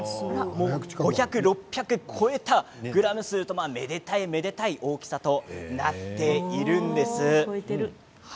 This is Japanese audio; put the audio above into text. ５００、６００超えたグラム数とめでたい、めでたい大きさとなっているんです。